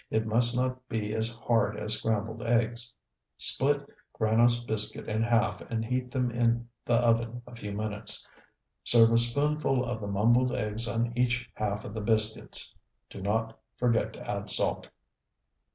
It must not be as hard as scrambled eggs. Split granose biscuit in half and heat them in the oven a few minutes. Serve a spoonful of the mumbled eggs on each half of the biscuits. Do not forget to add salt.